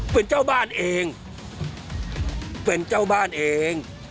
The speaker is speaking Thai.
เป็นเจ้าบ้านเองเป็นเจ้าบ้านเอง